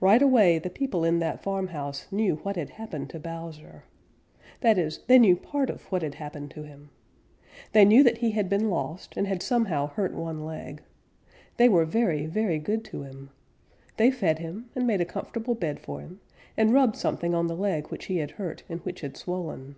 Right away the people in that farmhouse knew what had happened to Bowser. That is, they knew part of what had happened to him. They knew that he had been lost and had somehow hurt one leg. They were very, very good to him. They fed him, and made a comfortable bed for him, and rubbed something on the leg which he had hurt and which had swollen.